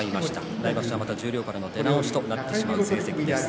来場所また十両からの出直しとなってしまう成績です。